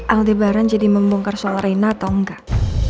aldebaran jadi membongkar soal rena atau enggak